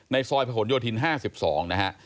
ซอยผนโยธิน๕๒นะฮะ